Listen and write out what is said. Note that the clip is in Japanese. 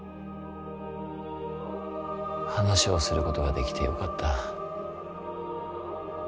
話をすることができてよかった。